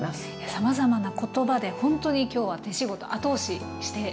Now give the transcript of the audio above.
さまざまな言葉でほんとに今日は手仕事後押ししてもらいました。